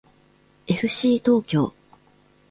えふしー東京